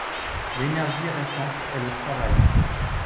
L'énergie restante est le travail.